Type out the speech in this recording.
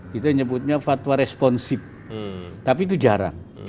kita nyebutnya fatwa responsif tapi itu jarang